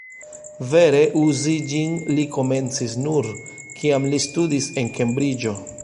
Vere uzi ĝin li komencis nur, kiam li studis en Kembriĝo.